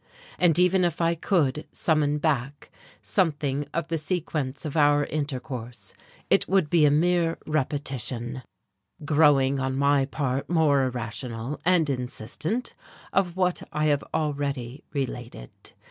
And even if I could summon back something of the sequence of our intercourse, it would be a mere repetition growing on my part more irrational and insistent of what I have already related.